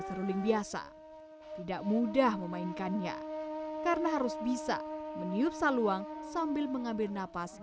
seruling biasa tidak mudah memainkannya karena harus bisa meniup saluang sambil mengambil napas